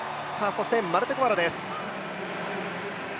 マルテ・コアラです。